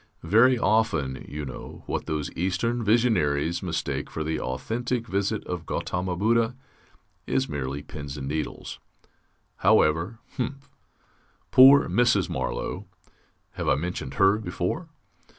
Very often, you know, what those Eastern visionaries mistake for the authentic visit of Ghautama Buddha is merely pins and needles. However. Humph. Poor Mrs. Marlow (have I mentioned her before?)